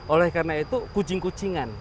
oleh karena itu kucing kucingan